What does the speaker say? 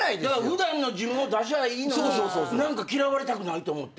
普段の自分を出しゃあいいのに何か嫌われたくないって思って。